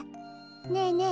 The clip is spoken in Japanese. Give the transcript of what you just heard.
ねえねえ